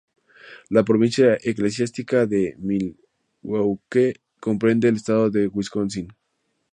La Provincia Eclesiástica de Milwaukee comprende el estado de Wisconsin.